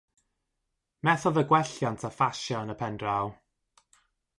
Methodd y gwelliant â phasio yn y pen draw.